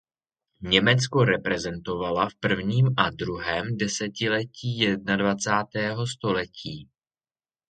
Německo reprezentovala v prvním a druhém desetiletí jednadvacátého století.